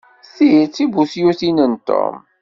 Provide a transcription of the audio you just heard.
Ti d tibutyutin n Tom.